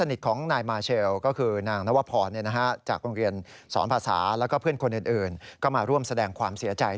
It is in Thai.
ยัดของน้องและแขกที่มาร่วมงานมีกว่า๓๐คน